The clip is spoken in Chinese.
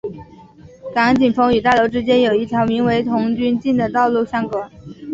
港景峰与大楼之间有一条名为童军径的道路相隔。